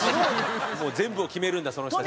全部を決めるんだその人たちが。